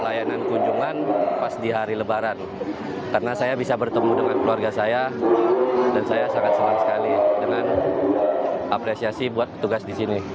layanan kunjungan pas di hari lebaran karena saya bisa bertemu dengan keluarga saya dan saya sangat senang sekali dengan apresiasi buat petugas di sini